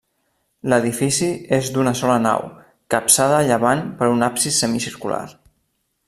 L'edifici és d'una sola nau, capçada a llevant per un absis semicircular.